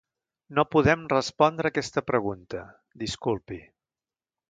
No podem respondre aquesta pregunta, disculpi.